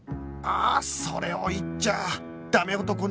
ああそれを言っちゃあダメ男